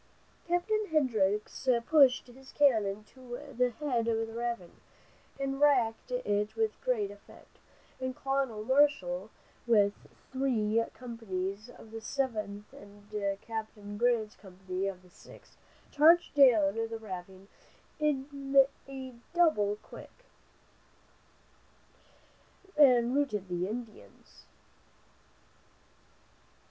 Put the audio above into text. Captain Hendricks pushed his cannon to the head of the ravine, and raked it with great effect, and Colonel Marshall, with three companies of the Seventh and Captain Grant's company of the Sixth, charged down the ravine on a double quick, and routed the Indians.